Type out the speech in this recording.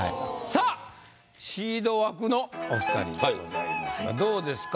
さあシード枠のお２人でございますがどうですか？